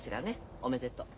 おめでとう。